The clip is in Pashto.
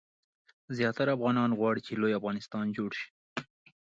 زیاتره افغانان غواړي چې لوی افغانستان جوړ شي.